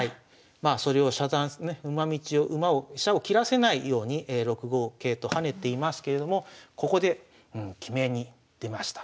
まあそれを遮断馬道を馬を飛車を切らせないように６五桂と跳ねていますけれどもここで決めに出ました。